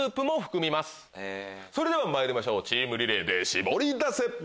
それではまいりましょうチームリレーでシボリダセ！